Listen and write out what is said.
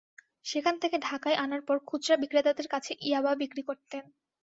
সেখান থেকে ঢাকায় আনার পর খুচরা বিক্রেতাদের কাছে ইয়াবা বিক্রি করতেন।